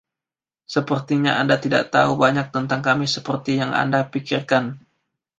Sepertinya Anda tidak tahu banyak tentang kami seperti yang Anda pikirkan.